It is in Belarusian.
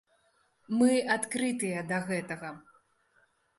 Мы адкрытыя да гэтага.